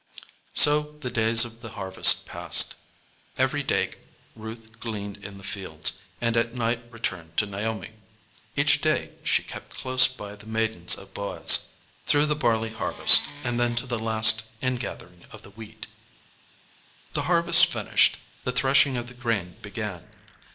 So the days of the harvest passed. Every day Ruth gleaned in the fields, and at night returned to Naomi. Each day she kept close by the maidens of Boaz, through the barley harvest, and then to the last ingathering of the wheat. [Illustration: "EVERY DAY RUTH GLEANED IN THE FIELDS."] The harvest finished, the threshing of the grain began.